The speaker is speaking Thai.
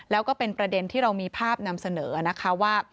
แล้วก็เป็นประเด็นที่เรามีภาพนำเสนอนะคะว่า